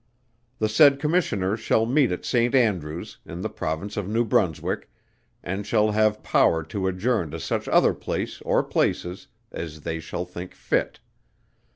The said Commissioners shall meet at St. Andrews, in the Province of New Brunswick, and shall have power to adjourn to such other place or places as they shall think fit.